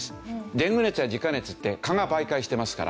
デング熱やジカ熱って蚊が媒介してますから。